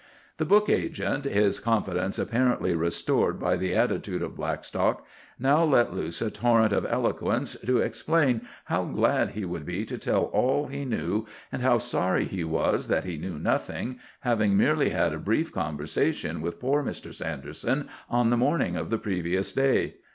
The book agent, his confidence apparently restored by the attitude of Blackstock, now let loose a torrent of eloquence to explain how glad he would be to tell all he knew, and how sorry he was that he knew nothing, having merely had a brief conversation with poor Mr. Sanderson on the morning of the previous day.